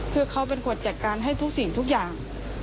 คือเขาเป็นคนจัดการให้ทุกสิ่งทุกอย่าง